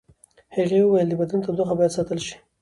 هغې وویل د بدن تودوخه باید ساتل شي.